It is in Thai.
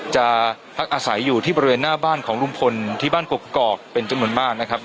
จะพักอาศัยอยู่ที่บริเวณหน้าบ้านของลุงพลที่บ้านกกอกเป็นจำนวนมากนะครับ